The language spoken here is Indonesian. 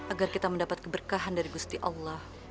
agar kita mendapat keberkahan dari gusti allah